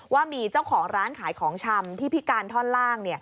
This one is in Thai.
ว่ามีเจ้าของร้านขายของชำที่พิการท่อนล่าง